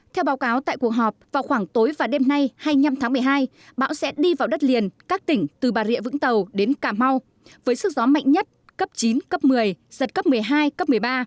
theo báo cáo tại cuộc họp vào khoảng tối và đêm nay hai mươi năm tháng một mươi hai bão sẽ đi vào đất liền các tỉnh từ bà rịa vũng tàu đến cà mau với sức gió mạnh nhất cấp chín cấp một mươi giật cấp một mươi hai cấp một mươi ba